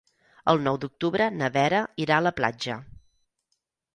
El nou d'octubre na Vera irà a la platja.